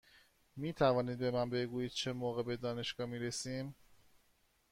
می توانید به من بگویید چه موقع به دانشگاه می رسیم؟